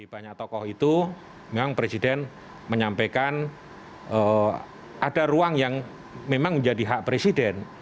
banyak tokoh itu memang presiden menyampaikan ada ruang yang memang menjadi hak presiden